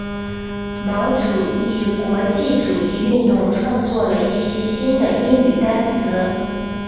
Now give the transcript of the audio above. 毛主义国际主义运动创作了一些新的英语单词。